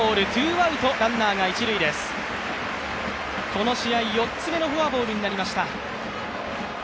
この試合、４つ目のフォアボールになりました。